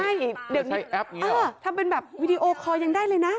ใช้แอปอย่างเงี้ยวอ่ะถ้าเป็นแบบวิดีโอคอร์ยังได้เลยนะ